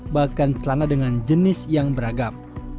bahkan celana dengan jenis yang beragam